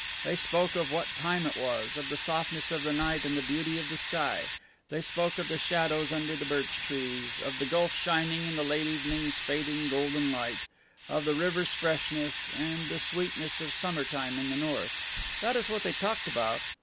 They spoke of what time it was, of the softness of the night and the beauty of the sky; they spoke of the shadows under the birch trees, of the gulf shining in the late evening's fading golden light, of the river's freshness and the sweetness of springtime in the North. That is what they talked about.